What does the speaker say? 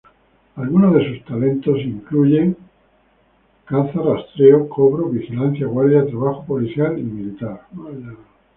Algunos de sus talentos incluyen: Caza, rastreo, cobro, vigilancia, guardia, trabajo policial y militar.